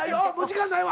時間ない。